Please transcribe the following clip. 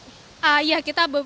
ya kita punya beberapa produk